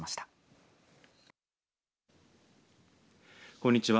こんにちは。